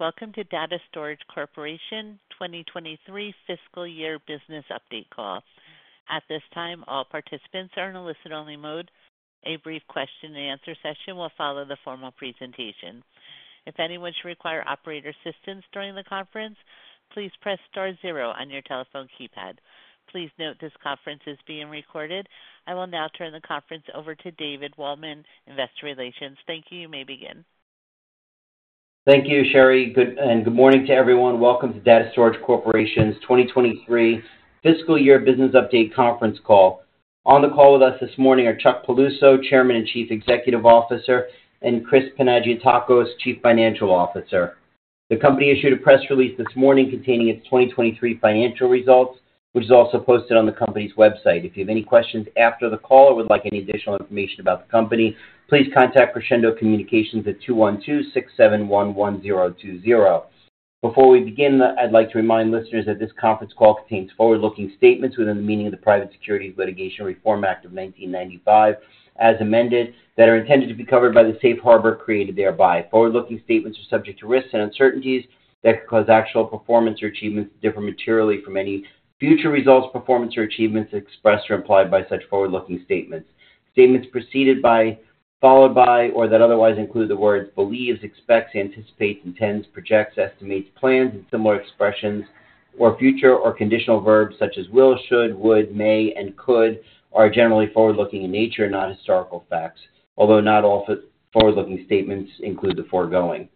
Greetings. Welcome to Data Storage Corporation 2023 Fiscal Year Business Update Call. At this time, all participants are in a listen-only mode. A brief question-and-answer session will follow the formal presentation. If anyone should require operator assistance during the conference, please press star zero on your telephone keypad. Please note this conference is being recorded. I will now turn the conference over to David Waldman, Investor Relations. Thank you. You may begin. Thank you, Sherry, good, and good morning to everyone. Welcome to Data Storage Corporation's 2023 Fiscal Year Business Update Conference Call. On the call with us this morning are Chuck Peluso, Chairman and Chief Executive Officer, and Chris Panagiotakos, Chief Financial Officer. The company issued a press release this morning containing its 2023 financial results, which is also posted on the company's website. If you have any questions after the call or would like any additional information about the company, please contact Crescendo Communications at 212-671-1020. Before we begin, I'd like to remind listeners that this conference call contains forward-looking statements within the meaning of the Private Securities Litigation Reform Act of 1995, as amended, that are intended to be covered by the safe harbor created thereby. Forward-looking statements are subject to risks and uncertainties that could cause actual performance or achievements to differ materially from any future results, performance or achievements expressed or implied by such forward-looking statements. Statements preceded by, followed by, or that otherwise include the words believes, expects, anticipates, intends, projects, estimates, plans and similar expressions, or future or conditional verbs such as will, should, would, may, and could are generally forward-looking in nature, not historical facts, although not all forward-looking statements include the foregoing.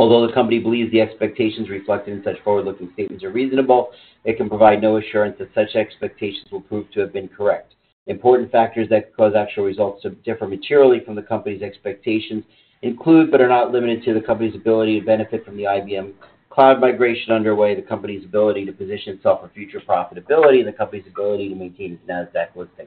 Although the company believes the expectations reflected in such forward-looking statements are reasonable, it can provide no assurance that such expectations will prove to have been correct. Important factors that cause actual results to differ materially from the company's expectations include, but are not limited to, the company's ability to benefit from the IBM cloud migration underway, the company's ability to position itself for future profitability, and the company's ability to maintain its Nasdaq listing.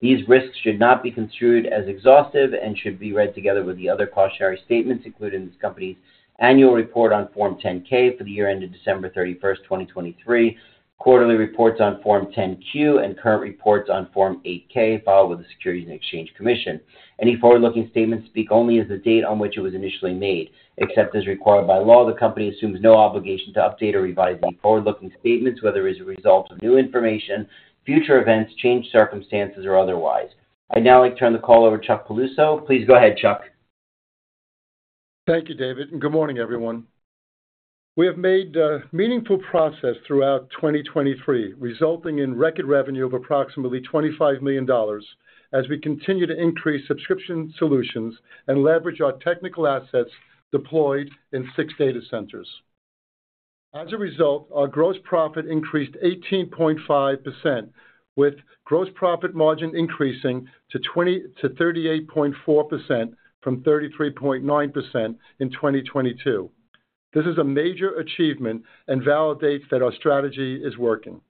These risks should not be construed as exhaustive and should be read together with the other cautionary statements included in this company's annual report on Form 10-K for the year ended December 31, 2023, quarterly reports on Form 10-Q, and current reports on Form 8-K filed with the Securities and Exchange Commission. Any forward-looking statements speak only as of the date on which it was initially made. Except as required by law, the company assumes no obligation to update or revise these forward-looking statements, whether as a result of new information, future events, changed circumstances, or otherwise. I'd now like to turn the call over to Chuck Peluso. Please go ahead, Chuck. Thank you, David, and good morning, everyone. We have made meaningful progress throughout 2023, resulting in record revenue of approximately $25 million as we continue to increase subscription solutions and leverage our technical assets deployed in six data centers. As a result, our gross profit increased 18.5%, with gross profit margin increasing to 38.4% from 33.9% in 2022. This is a major achievement and validates that our strategy is working.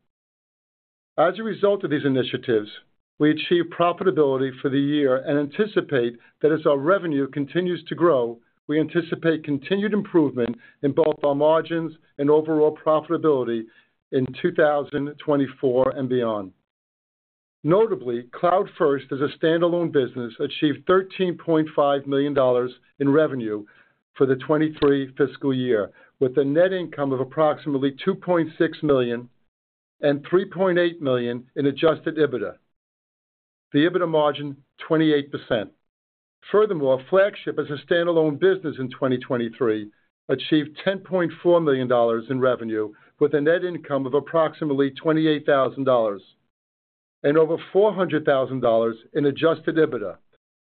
As a result of these initiatives, we achieved profitability for the year and anticipate that as our revenue continues to grow, we anticipate continued improvement in both our margins and overall profitability in 2024 and beyond. Notably, CloudFirst, as a standalone business, achieved $13.5 million in revenue for the 2023 fiscal year, with a net income of approximately $2.6 million and $3.8 million in adjusted EBITDA. The EBITDA margin, 28%. Furthermore, Flagship, as a standalone business in 2023, achieved $10.4 million in revenue, with a net income of approximately $28,000 and over $400,000 in adjusted EBITDA,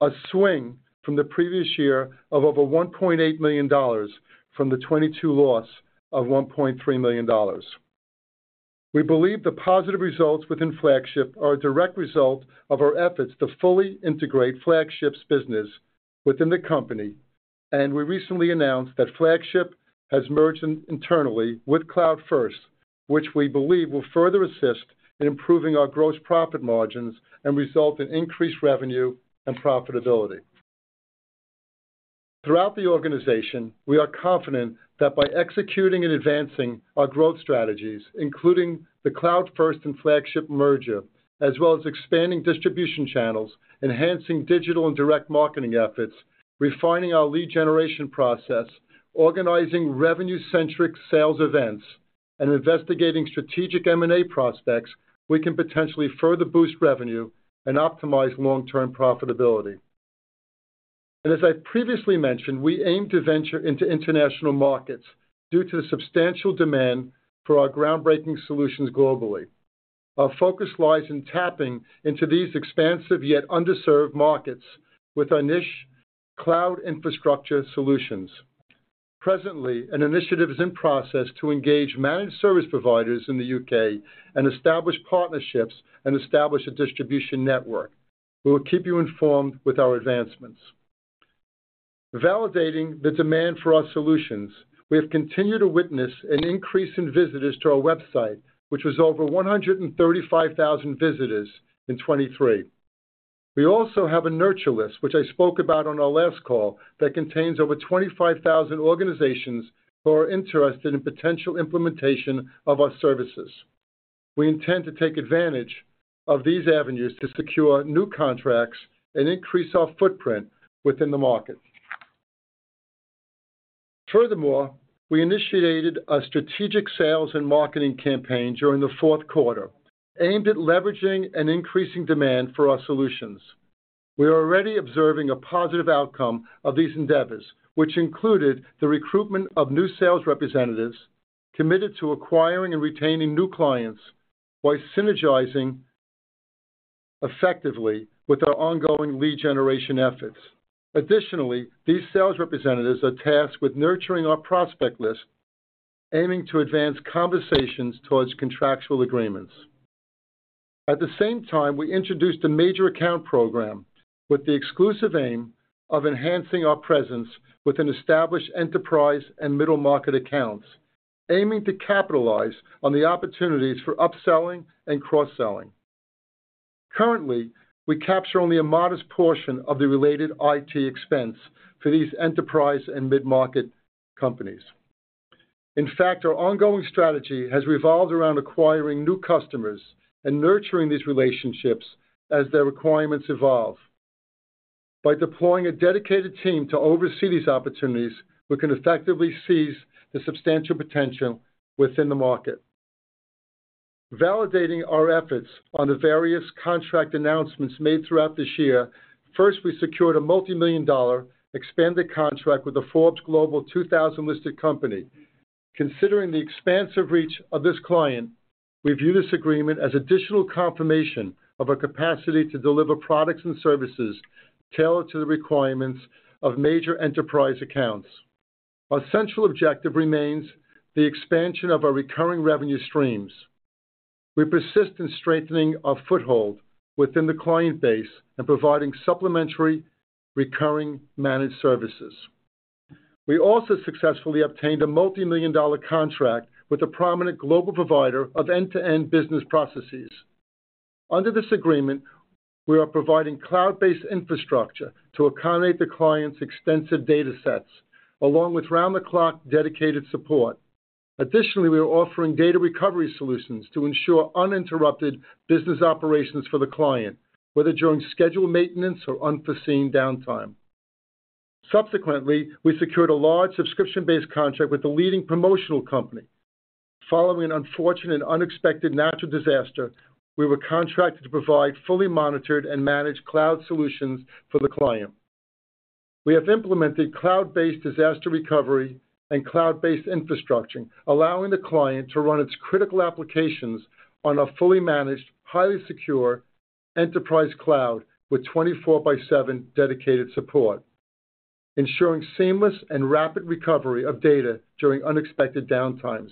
a swing from the previous year of over $1.8 million dollars from the 2022 loss of $1.3 million dollars. We believe the positive results within Flagship are a direct result of our efforts to fully integrate Flagship's business within the company, and we recently announced that Flagship has merged internally with CloudFirst, which we believe will further assist in improving our gross profit margins and result in increased revenue and profitability. Throughout the organization, we are confident that by executing and advancing our growth strategies, including the CloudFirst and Flagship merger, as well as expanding distribution channels, enhancing digital and direct marketing efforts, refining our lead generation process, organizing revenue-centric sales events, and investigating strategic M&A prospects, we can potentially further boost revenue and optimize long-term profitability. As I previously mentioned, we aim to venture into international markets due to the substantial demand for our groundbreaking solutions globally. Our focus lies in tapping into these expansive yet underserved markets with our niche cloud infrastructure solutions. Presently, an initiative is in process to engage managed service providers in the U.K. and establish partnerships and establish a distribution network. We will keep you informed with our advancements. Validating the demand for our solutions, we have continued to witness an increase in visitors to our website, which was over 135,000 visitors in 2023. We also have a nurture list, which I spoke about on our last call, that contains over 25,000 organizations who are interested in potential implementation of our services. We intend to take advantage of these avenues to secure new contracts and increase our footprint within the market. Furthermore, we initiated a strategic sales and marketing campaign during the fourth quarter, aimed at leveraging and increasing demand for our solutions. We are already observing a positive outcome of these endeavors, which included the recruitment of new sales representatives committed to acquiring and retaining new clients, while synergizing effectively with our ongoing lead generation efforts. Additionally, these sales representatives are tasked with nurturing our prospect list, aiming to advance conversations towards contractual agreements. At the same time, we introduced a major account program with the exclusive aim of enhancing our presence within established enterprise and middle-market accounts, aiming to capitalize on the opportunities for upselling and cross-selling. Currently, we capture only a modest portion of the related IT expense for these enterprise and mid-market companies. In fact, our ongoing strategy has revolved around acquiring new customers and nurturing these relationships as their requirements evolve. By deploying a dedicated team to oversee these opportunities, we can effectively seize the substantial potential within the market. Validating our efforts on the various contract announcements made throughout this year, first, we secured a multi-million-dollar expanded contract with a Forbes Global 2000 listed company. Considering the expansive reach of this client, we view this agreement as additional confirmation of our capacity to deliver products and services tailored to the requirements of major enterprise accounts. Our central objective remains the expansion of our recurring revenue streams. We persist in strengthening our foothold within the client base and providing supplementary, recurring managed services. We also successfully obtained a multi-million-dollar contract with a prominent global provider of end-to-end business processes. Under this agreement, we are providing cloud-based infrastructure to accommodate the client's extensive data sets, along with round-the-clock dedicated support. Additionally, we are offering data recovery solutions to ensure uninterrupted business operations for the client, whether during scheduled maintenance or unforeseen downtime. Subsequently, we secured a large subscription-based contract with a leading promotional company. Following an unfortunate and unexpected natural disaster, we were contracted to provide fully monitored and managed cloud solutions for the client. We have implemented cloud-based disaster recovery and cloud-based infrastructure, allowing the client to run its critical applications on a fully managed, highly secure enterprise cloud with 24/7 dedicated support, ensuring seamless and rapid recovery of data during unexpected downtimes.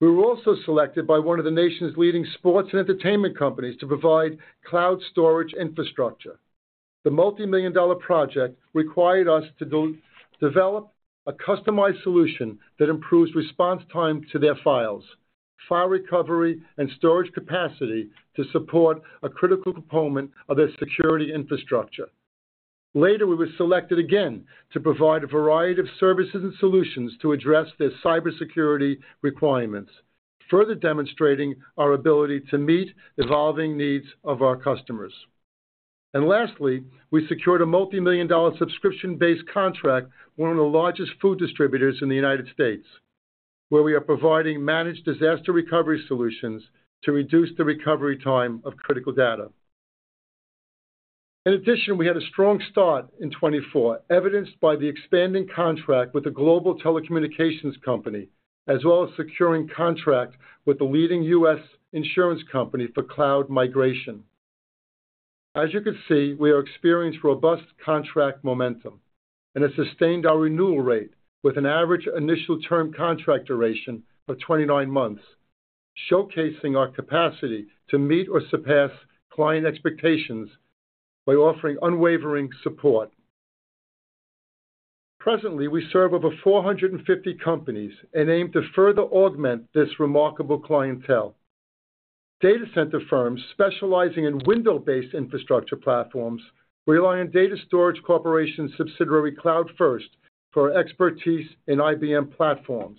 We were also selected by one of the nation's leading sports and entertainment companies to provide cloud storage infrastructure. The multi-million-dollar project required us to develop a customized solution that improves response time to their files, file recovery, and storage capacity to support a critical component of their security infrastructure. Later, we were selected again to provide a variety of services and solutions to address their cybersecurity requirements, further demonstrating our ability to meet the evolving needs of our customers. And lastly, we secured a $multi-million-dollar subscription-based contract, with one of the largest food distributors in the United States, where we are providing managed disaster recovery solutions to reduce the recovery time of critical data. In addition, we had a strong start in 2024, evidenced by the expanding contract with the global telecommunications company, as well as securing contract with the leading U.S. insurance company for cloud migration. As you can see, we are experiencing robust contract momentum and have sustained our renewal rate with an average initial term contract duration of 29 months, showcasing our capacity to meet or surpass client expectations by offering unwavering support. Presently, we serve over 450 companies and aim to further augment this remarkable clientele. Data center firms specializing in Windows-based infrastructure platforms rely on Data Storage Corporation's subsidiary, CloudFirst, for expertise in IBM platforms.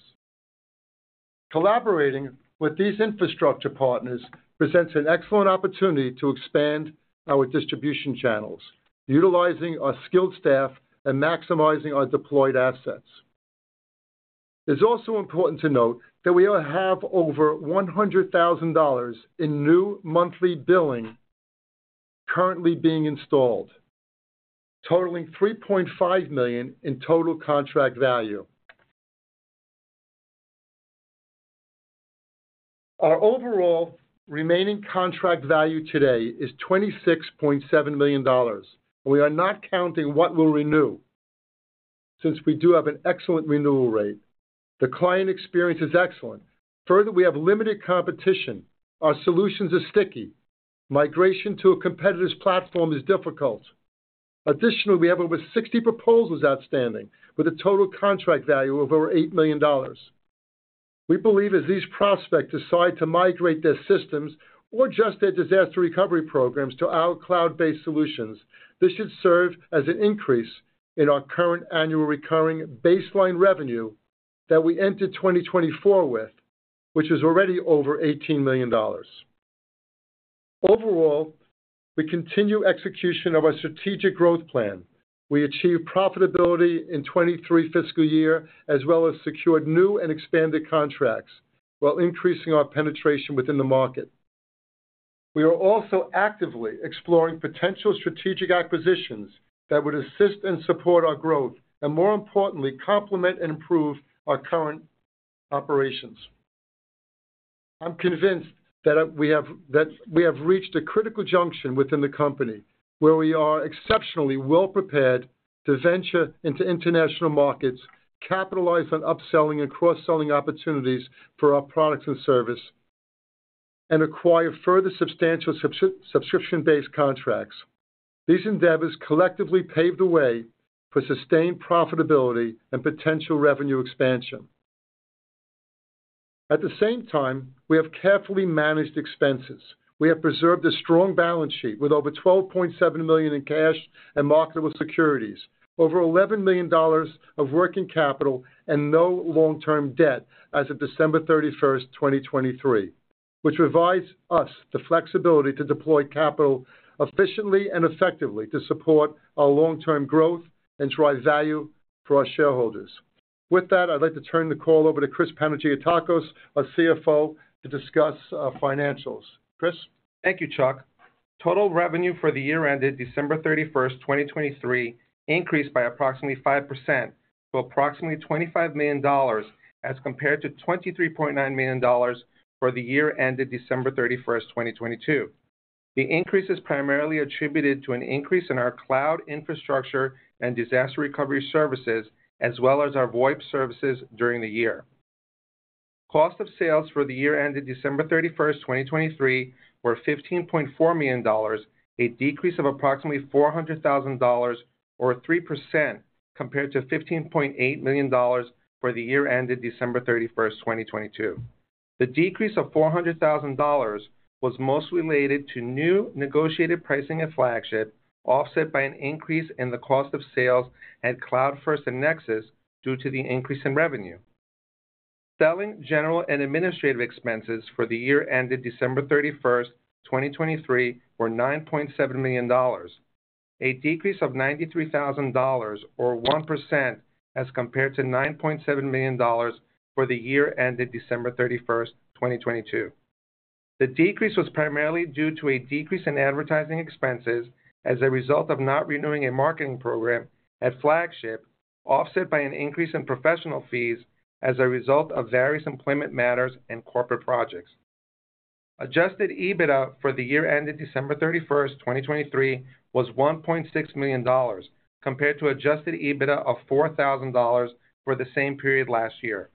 Collaborating with these infrastructure partners presents an excellent opportunity to expand our distribution channels, utilizing our skilled staff and maximizing our deployed assets. It's also important to note that we have over $100,000 in new monthly billing currently being installed, totaling $3.5 million in total contract value. Our overall remaining contract value today is $26.7 million. We are not counting what we'll renew, since we do have an excellent renewal rate. The client experience is excellent. Further, we have limited competition. Our solutions are sticky. Migration to a competitor's platform is difficult. Additionally, we have over 60 proposals outstanding, with a total contract value of over $8 million. We believe, as these prospects decide to migrate their systems or just their disaster recovery programs to our cloud-based solutions, this should serve as an increase in our current annual recurring baseline revenue that we entered 2024 with, which is already over $18 million. Overall, we continue execution of our strategic growth plan. We achieved profitability in 2023 fiscal year, as well as secured new and expanded contracts while increasing our penetration within the market. We are also actively exploring potential strategic acquisitions that would assist and support our growth, and more importantly, complement and improve our current operations. I'm convinced that we have, that we have reached a critical junction within the company where we are exceptionally well prepared to venture into international markets, capitalize on upselling and cross-selling opportunities for our products and service, and acquire further substantial subscription-based contracts. These endeavors collectively pave the way for sustained profitability and potential revenue expansion. At the same time, we have carefully managed expenses. We have preserved a strong balance sheet with over $12.7 million in cash and marketable securities, over $11 million of working capital, and no long-term debt as of December 31, 2023, which provides us the flexibility to deploy capital efficiently and effectively to support our long-term growth and drive value for our shareholders. With that, I'd like to turn the call over to Chris Panagiotakos, our CFO, to discuss financials. Chris? Thank you, Chuck. Total revenue for the year ended December 31, 2023, increased by approximately 5% to approximately $25 million, as compared to $23.9 million for the year ended December 31, 2022. The increase is primarily attributed to an increase in our cloud infrastructure and disaster recovery services, as well as our VoIP services during the year. Cost of sales for the year ended December 31, 2023, were $15.4 million, a decrease of approximately $400,000, or 3% compared to $15.8 million for the year ended December 31, 2022. The decrease of $400,000 was mostly related to new negotiated pricing at Flagship, offset by an increase in the cost of sales at CloudFirst and Nexxis due to the increase in revenue. Selling general and administrative expenses for the year ended December 31, 2023, were $9.7 million, a decrease of $93,000, or 1%, as compared to $9.7 million for the year ended December 31, 2022. The decrease was primarily due to a decrease in advertising expenses as a result of not renewing a marketing program at Flagship, offset by an increase in professional fees as a result of various employment matters and corporate projects. Adjusted EBITDA for the year ended December 31, 2023, was $1.6 million, compared to adjusted EBITDA of $4,000 for the same period last year.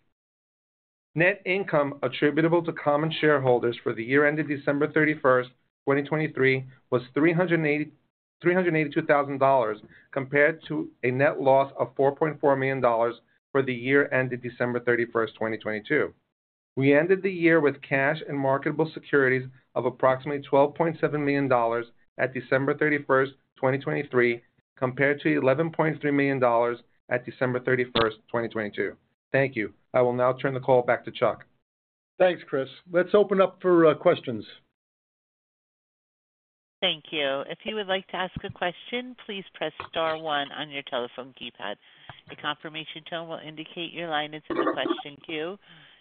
Net income attributable to common shareholders for the year ended December 31, 2023, was $382,000, compared to a net loss of $4.4 million for the year ended December 31, 2022. We ended the year with cash and marketable securities of approximately $12.7 million at December 31, 2023, compared to $11.3 million at December 31, 2022. Thank you. I will now turn the call back to Chuck. Thanks, Chris. Let's open up for questions. Thank you. If you would like to ask a question, please press star one on your telephone keypad. A confirmation tone will indicate your line is in the question queue.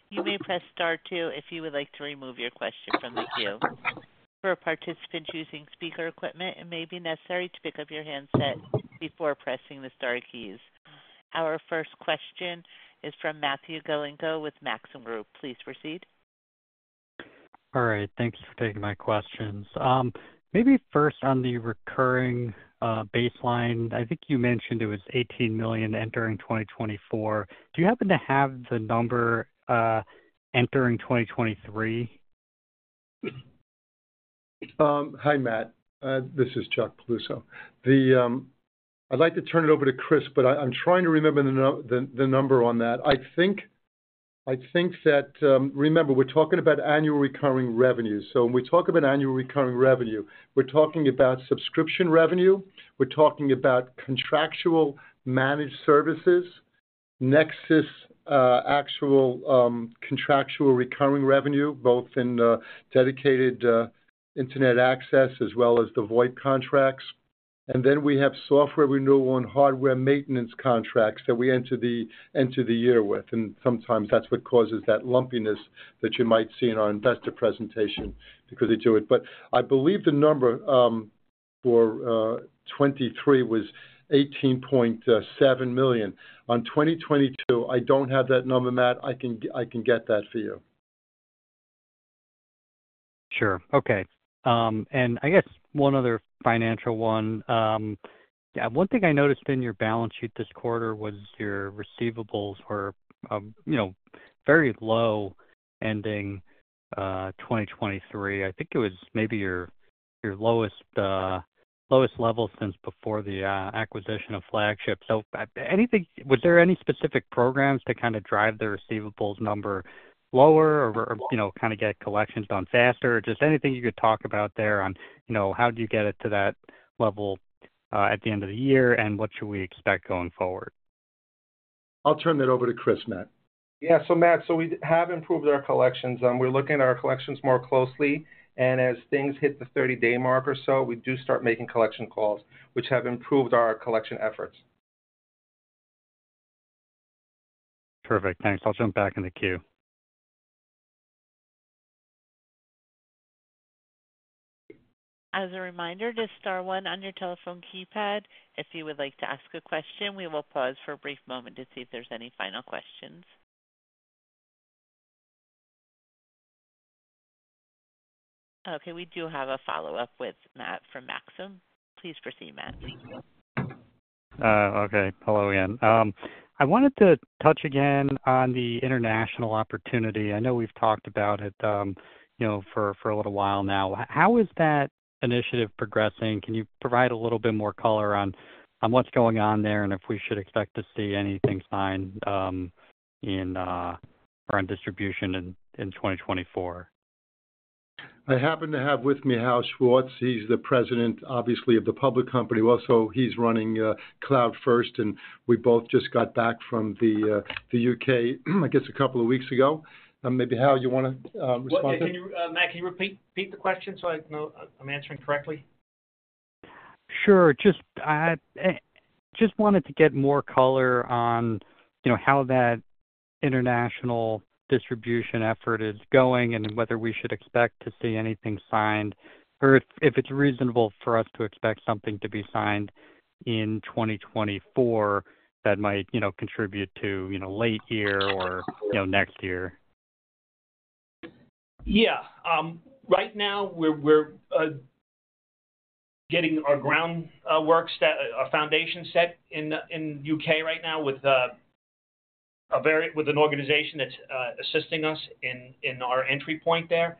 You may press star two if you would like to remove your question from the queue. For a participant using speaker equipment, it may be necessary to pick up your handset before pressing the star keys. Our first question is from Matthew Galinko with Maxim Group. Please proceed. All right. Thank you for taking my questions. Maybe first on the recurring baseline, I think you mentioned it was $18 million entering 2024. Do you happen to have the number entering 2023? Hi, Matt. This is Chuck Peluso. I'd like to turn it over to Chris, but I'm trying to remember the number on that. I think, remember, we're talking about annual recurring revenue. So when we talk about annual recurring revenue, we're talking about subscription revenue, we're talking about contractual managed services, Nexxis, actual contractual recurring revenue, both in the dedicated internet access as well as the VoIP contracts. And then we have software renewal and hardware maintenance contracts that we enter the year with, and sometimes that's what causes that lumpiness that you might see in our investor presentation, because they do it. But I believe the number for 2023 was $18.7 million. On 2022, I don't have that number, Matt. I can g... I can get that for you. Sure. Okay. And I guess one other financial one. Yeah, one thing I noticed in your balance sheet this quarter was your receivables were, you know, very low, ending 2023. I think it was maybe your lowest level since before the acquisition of Flagship. So anything—was there any specific programs to kind of drive the receivables number lower or, you know, kind of get collections done faster? Just anything you could talk about there on, you know, how do you get it to that level at the end of the year, and what should we expect going forward?... I'll turn that over to Chris, Matt. Yeah, so Matt, so we have improved our collections, and we're looking at our collections more closely. As things hit the 30-day mark or so, we do start making collection calls, which have improved our collection efforts. Perfect. Thanks. I'll jump back in the queue. As a reminder, just star one on your telephone keypad if you would like to ask a question. We will pause for a brief moment to see if there's any final questions. Okay, we do have a follow-up with Matt from Maxim. Please proceed, Matt. Thank you. Okay. Hello again. I wanted to touch again on the international opportunity. I know we've talked about it, you know, for a little while now. How is that initiative progressing? Can you provide a little bit more color on what's going on there, and if we should expect to see anything signed in or on distribution in 2024? I happen to have with me Hal Schwartz. He's the President, obviously, of the public company. Also, he's running CloudFirst, and we both just got back from the U.K., I guess, a couple of weeks ago. Maybe, Hal, you wanna respond? Well, can you, Matt, can you repeat the question so I know I'm answering correctly? Sure. Just, I just wanted to get more color on, you know, how that international distribution effort is going and whether we should expect to see anything signed, or if it's reasonable for us to expect something to be signed in 2024 that might, you know, contribute to, you know, late year or, you know, next year? Yeah. Right now, we're getting our groundwork set, our foundation set in the U.K. right now with an organization that's assisting us in our entry point there.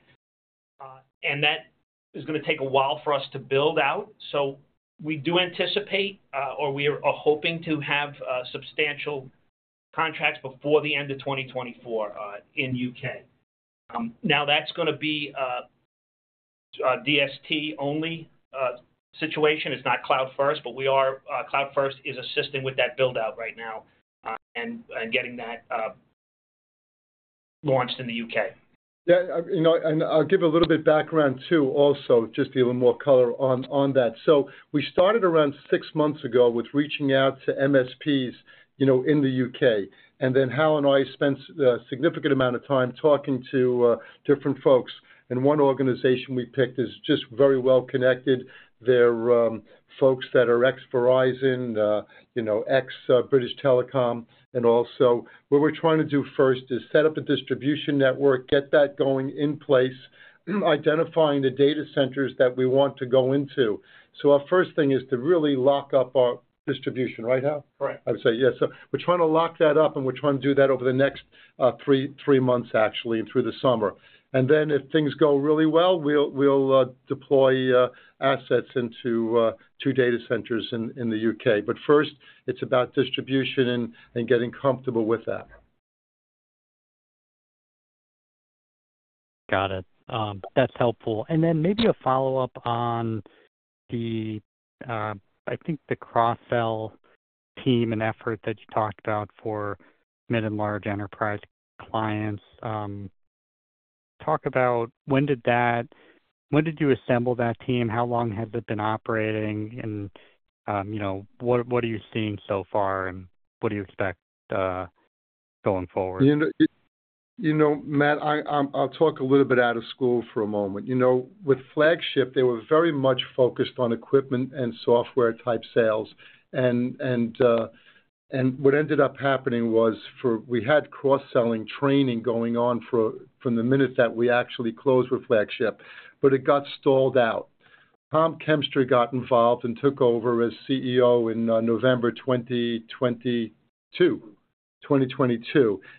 And that is gonna take a while for us to build out. So we do anticipate, or we are hoping to have substantial contracts before the end of 2024 in the U.K. Now, that's gonna be a DST-only situation. It's not CloudFirst, but CloudFirst is assisting with that build-out right now, and getting that launched in the U.K. Yeah, you know, and I'll give a little bit background, too, also, just a little more color on that. So we started around six months ago with reaching out to MSPs, you know, in the U.K. And then Hal and I spent a significant amount of time talking to different folks, and one organization we picked is just very well connected. They're folks that are ex-Verizon, you know, ex-British Telecom. And also, what we're trying to do first is set up a distribution network, get that going in place, identifying the data centers that we want to go into. So our first thing is to really lock up our distribution, right, Hal? Correct. I would say, yes. We're trying to lock that up, and we're trying to do that over the next three months, actually, through the summer. Then if things go really well, we'll deploy assets into two data centers in the U.K. But first, it's about distribution and getting comfortable with that. Got it. That's helpful. And then maybe a follow-up on the, I think, the cross-sell team and effort that you talked about for mid and large enterprise clients. Talk about when did you assemble that team? How long has it been operating? And, you know, what are you seeing so far, and what do you expect going forward? You know, you know, Matt, I, I'll talk a little bit out of school for a moment. You know, with Flagship, they were very much focused on equipment and software-type sales. And what ended up happening was we had cross-selling training going on from the minute that we actually closed with Flagship, but it got stalled out. Tom Kempster got involved and took over as CEO in November 2022.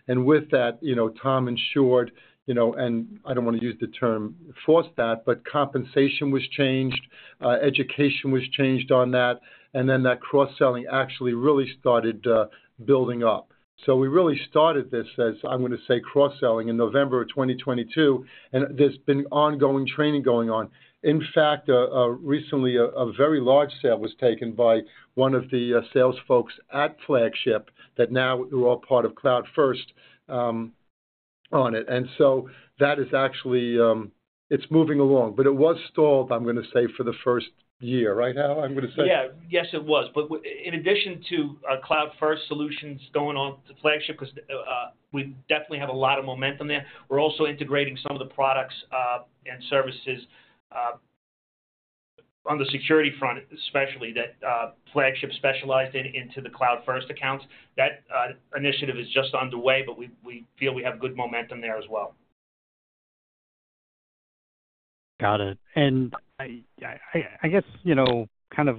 And with that, you know, Tom ensured, you know, and I don't want to use the term forced that, but compensation was changed, education was changed on that, and then that cross-selling actually really started building up. So we really started this, as I'm going to say, cross-selling in November of 2022, and there's been ongoing training going on. In fact, recently, a very large sale was taken by one of the sales folks at Flagship that now who are all part of Cloud First, on it. And so that is actually, it's moving along, but it was stalled, I'm gonna say, for the first year. Right, Hal, I'm gonna say? Yeah. Yes, it was. But in addition to our CloudFirst solutions going on to Flagship, 'cause we definitely have a lot of momentum there, we're also integrating some of the products and services on the security front, especially that Flagship specialized in into the CloudFirst accounts. That initiative is just underway, but we feel we have good momentum there as well. Got it. And I guess, you know, kind of,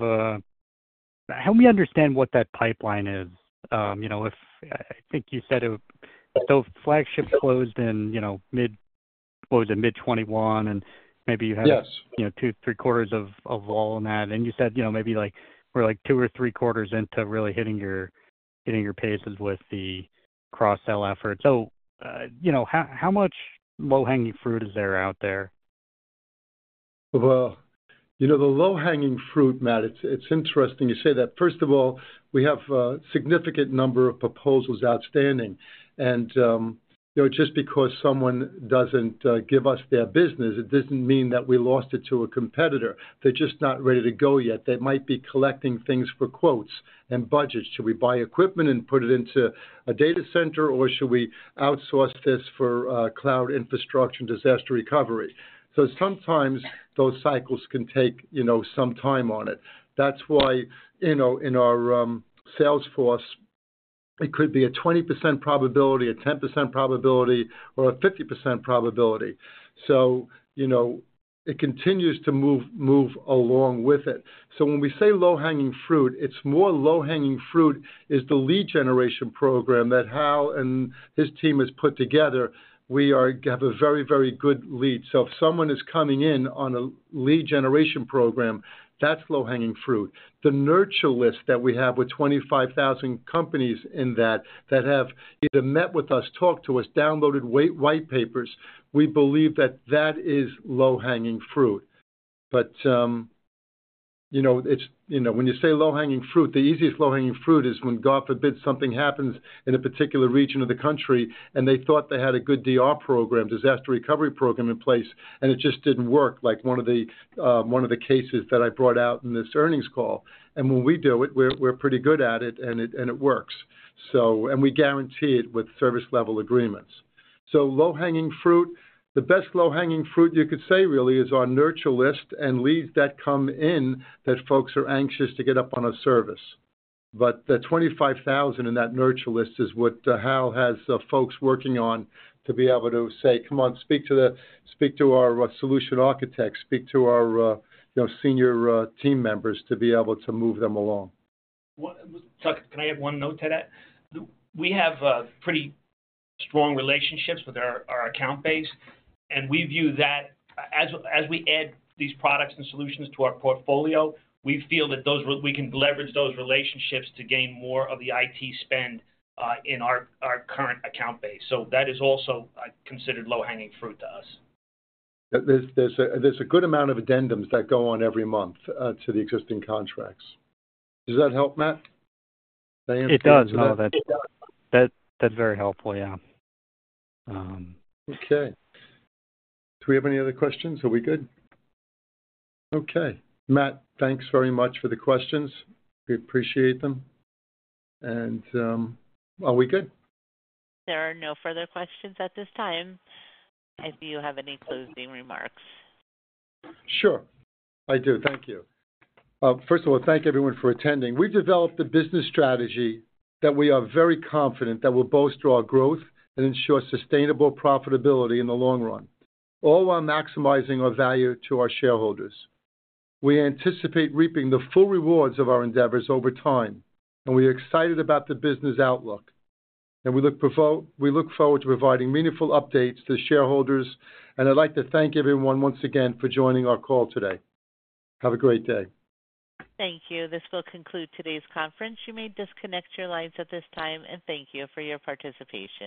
help me understand what that pipeline is. You know, if I think you said it, so Flagship closed in, you know, mid, what was it? Mid-2021, and maybe you had- Yes. You know, two, three quarters of all in that. And you said, you know, maybe like, we're like two or three quarters into really hitting your paces with the cross-sell effort. So, you know, how much low-hanging fruit is there out there? ...Well, you know, the low-hanging fruit, Matt, it's interesting you say that. First of all, we have a significant number of proposals outstanding, and you know, just because someone doesn't give us their business, it doesn't mean that we lost it to a competitor. They're just not ready to go yet. They might be collecting things for quotes and budgets. Should we buy equipment and put it into a data center, or should we outsource this for cloud infrastructure and disaster recovery? So sometimes those cycles can take, you know, some time on it. That's why, you know, in our sales force, it could be a 20% probability, a 10% probability, or a 50% probability. So, you know, it continues to move along with it. So when we say low-hanging fruit, it's more low-hanging fruit is the lead generation program that Hal and his team has put together. We have a very, very good lead. So if someone is coming in on a lead generation program, that's low-hanging fruit. The nurture list that we have with 25,000 companies in that, that have either met with us, talked to us, downloaded white papers, we believe that that is low-hanging fruit. But, you know, it's, you know, when you say low-hanging fruit, the easiest low-hanging fruit is when, God forbid, something happens in a particular region of the country, and they thought they had a good DR program, disaster recovery program, in place, and it just didn't work, like one of the cases that I brought out in this earnings call. And when we do it, we're pretty good at it, and it works. So... And we guarantee it with service level agreements. So low-hanging fruit, the best low-hanging fruit you could say, really, is our nurture list and leads that come in that folks are anxious to get up on a service. But the 25,000 in that nurture list is what Hal has the folks working on to be able to say, "Come on, speak to our solution architects, speak to our, you know, senior team members," to be able to move them along. Chuck, can I add one note to that? We have pretty strong relationships with our account base, and we view that as we add these products and solutions to our portfolio, we feel that we can leverage those relationships to gain more of the IT spend in our current account base. So that is also considered low-hanging fruit to us. There's a good amount of addendums that go on every month to the existing contracts. Does that help, Matt? It does. Oh, that's very helpful. Yeah. Okay. Do we have any other questions? Are we good? Okay. Matt, thanks very much for the questions. We appreciate them. And, are we good? There are no further questions at this time. If you have any closing remarks. Sure, I do. Thank you. First of all, thank everyone for attending. We've developed a business strategy that we are very confident that will bolster our growth and ensure sustainable profitability in the long run, all while maximizing our value to our shareholders. We anticipate reaping the full rewards of our endeavors over time, and we are excited about the business outlook, and we look forward to providing meaningful updates to shareholders. I'd like to thank everyone once again for joining our call today. Have a great day. Thank you. This will conclude today's conference. You may disconnect your lines at this time, and thank you for your participation.